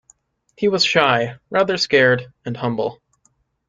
He was shy, rather scared, and humble.